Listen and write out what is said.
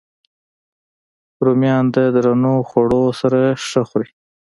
رومیان د درنو خوړو سره ښه خوري